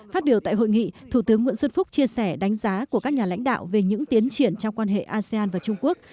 phát biểu tại hội nghị thủ tướng nguyễn xuân phúc chia sẻ đánh giá của các nhà lãnh đạo về những tiến triển trong quan hệ asean và trung quốc